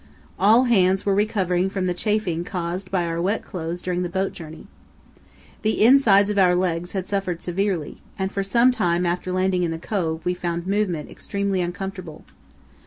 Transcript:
All hands were recovering from the chafing caused by our wet clothes during the boat journey. The insides of our legs had suffered severely, and for some time after landing in the cove we found movement extremely uncomfortable.